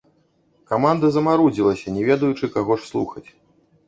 Каманда замарудзілася, не ведаючы, каго ж слухаць.